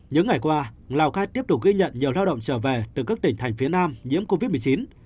những ngày qua lào cai tiếp tục ghi nhận nhiều lao động trở về từ các tỉnh thành phía nam nhiễm covid một mươi chín